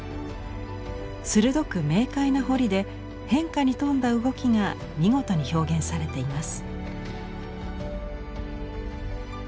鋭く明快な彫りで変化に富んだ動きが見事に表現されています。